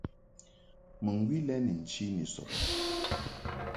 Mɨŋgwi lɛ ni nchi ni sɔbni.